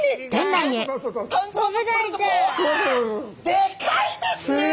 でかいですね！